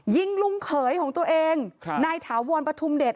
ยิงลุงเขยของตัวเองครับนายถาวรปฐุมเดช